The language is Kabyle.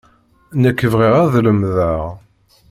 Nekk bɣiɣ ad lemdeɣ.